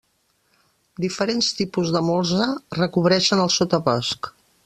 Diferents tipus de molsa recobreixen el sotabosc.